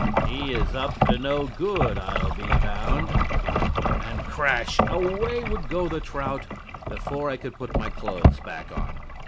He is up to no good, I'll be bound." And crash! away would go the trout before I could put my clothes back on.